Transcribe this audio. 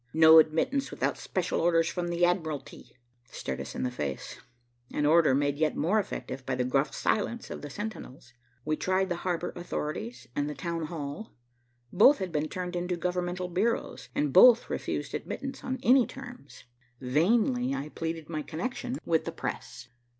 "No admittance without special orders from the admiralty," stared us in the face, an order made yet more effective by the gruff silence of the sentinels. We tried the harbor authorities and the Town Hall. Both had been turned into governmental bureaus, and both refused admittance on any terms. Vainly I pleaded my connection with the press.